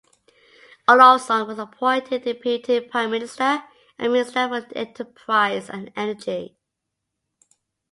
Olofsson was appointed Deputy Prime Minister and Minister for Enterprise and Energy.